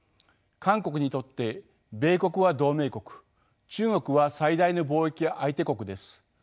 韓国にとって米国は同盟国中国は最大の貿易相手国です。